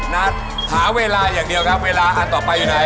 นัดหาเวลาอย่างเดียวครับเวลาอันต่อไปอยู่ไหน